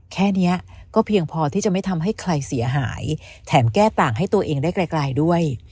แค่นี้ก็เพียงพอที่จะไม่ทำให้ใครเสียหายแถมแก้ต่างให้ตัวเองได้ไกลด้วย